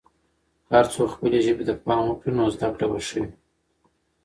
که هر څوک خپلې ژبې ته پام وکړي، نو زده کړه به ښه وي.